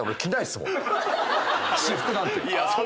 私服なんて。